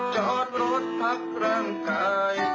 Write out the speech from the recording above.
จอดรถพักร่างกาย